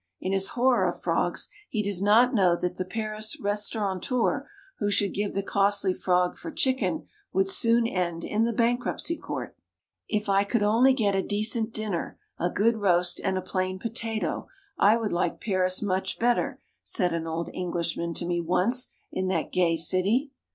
in his horror of frogs, he does not know that the Paris restaurateur who should give the costly frog for chicken, would soon end in the bankruptcy court. "If I could only get a decent dinner, a good roast and plain potato, I would like Paris much better," said an old Englishman to me once in that gay city.